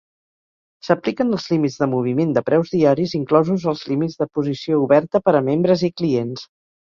S'apliquen els límits de moviment de preus diaris, inclosos els límits de posició oberta per a membres i clients.